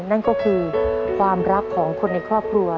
นั่นก็คือความรักของคนในครอบครัว